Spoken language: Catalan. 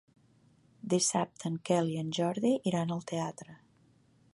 Dissabte en Quel i en Jordi iran al teatre.